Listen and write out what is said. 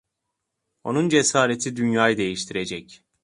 Onun cesareti dünyayı değiştirecek.